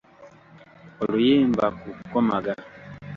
Oluyimba ku kukomaga.